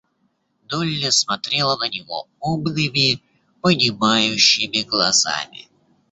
Долли смотрела на него умными, понимающими глазами.